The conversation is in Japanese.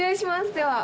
では。